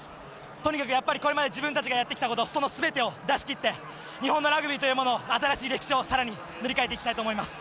とにかくやっぱりこれまで自分たちがやってきたことその全てを出し切って日本のラグビーというものの新しい歴史を更に塗り替えていきたいと思います。